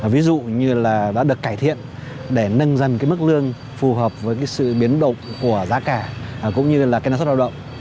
ví dụ như là đã được cải thiện để nâng dần mức lương phù hợp với sự biến động của giá cả cũng như là năng suất lao động